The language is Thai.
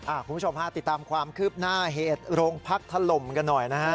คุณผู้ชมฮะติดตามความคืบหน้าเหตุโรงพักถล่มกันหน่อยนะฮะ